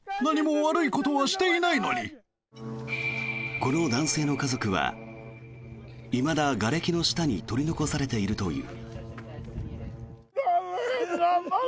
この男性の家族はいまだがれきの下に取り残されているという。